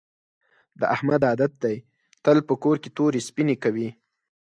د احمد عادت دې تل په کور کې تورې سپینې کوي.